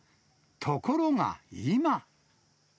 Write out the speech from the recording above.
ところが今。